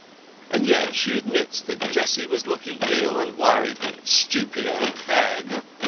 And yet she admits that Jessie was looking ill and worried. Stupid old hag!"